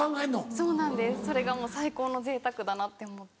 そうなんですそれがもう最高のぜいたくだなって思って。